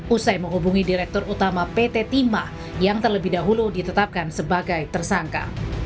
usai menghubungi direktur utama pt timah yang terlebih dahulu ditetapkan sebagai tersangka